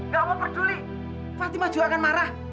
nggak mau peduli fatimah juga akan marah